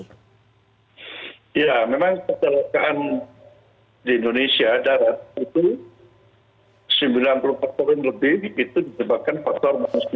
ya memang kecelakaan di indonesia darat itu sembilan puluh empat poin lebih itu disebabkan faktor manusia